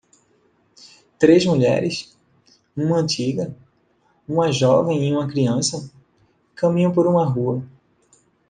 Três mulheres? uma antiga? uma jovem e uma criança? caminham por uma rua.